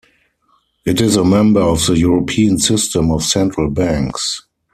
It is a member of the European System of Central Banks.